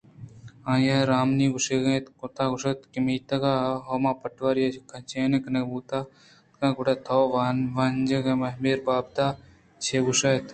آئی ءَ رامنی گوشاں اش کُت گوٛشت کہ میتگ ءَ ہماپٹواری ئےکہ گچین کنگ بوتگ آاتکگ گڑا تو واجہیں میر اے بابت ءَ چے گوٛش اِت